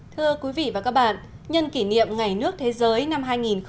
thưa quý vị và các bạn nhân kỷ niệm ngày nước thế giới năm hai nghìn một mươi chín